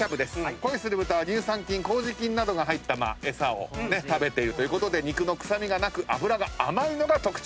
恋する豚は乳酸菌こうじ菌などが入った餌を食べているということで肉の臭みがなく脂が甘いのが特徴。